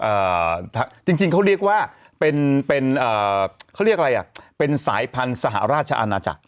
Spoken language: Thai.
เอ่อจริงจริงเขาเรียกว่าเป็นเป็นเอ่อเขาเรียกอะไรอ่ะเป็นสายพันธุ์สหราชอาณาจักร